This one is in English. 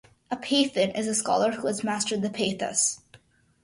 A "pathin" is a scholar who has mastered the pathas.